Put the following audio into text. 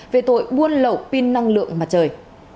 về tội buôn lậu pin năng lượng mặt trời